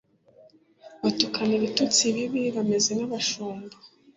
Batukana ibitutsi bibi bameze nk’abashumba.